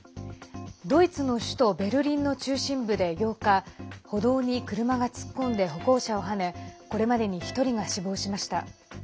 ドイツの首都ベルリンの中心部で、８日歩道に車が突っ込んで歩行者をはねこれまでに１人が死亡しました。